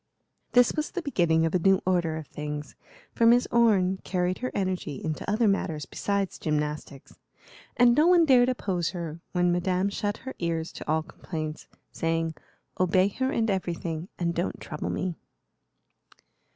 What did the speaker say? This was the beginning of a new order of things, for Miss Orne carried her energy into other matters besides gymnastics, and no one dared oppose her when Madame shut her ears to all complaints, saying, "Obey her in everything, and don't trouble me."